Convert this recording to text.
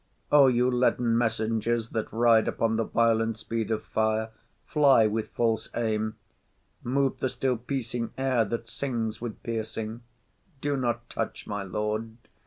O you leaden messengers, That ride upon the violent speed of fire, Fly with false aim; move the still peering air, That sings with piercing; do not touch my lord.